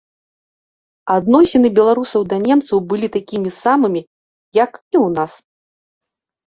Адносіны беларусаў да немцаў былі такімі самымі, як і ў нас.